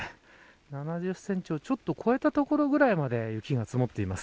７０センチをちょっと超えた所ぐらいまで雪が積もっています。